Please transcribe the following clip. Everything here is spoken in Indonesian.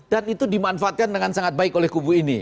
dan itu dimanfaatkan dengan sangat baik oleh kubu ini